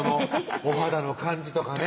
お肌の感じとかね